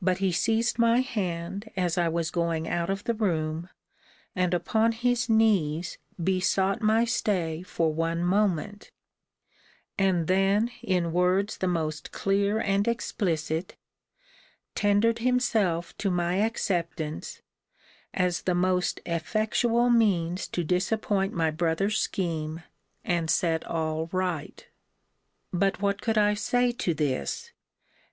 But he seized my hand, as I was going out of the room, and upon his knees besought my stay for one moment: and then, in words the most clear and explicit, tendered himself to my acceptance, as the most effectual means to disappoint my brother's scheme, and set all right. But what could I say to this?